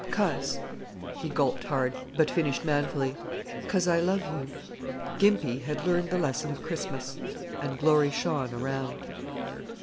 "'Cause," he gulped hard, but finished manfully "'cause I love you." Gimpy had learned the lesson of Christmas, "And glory shone around."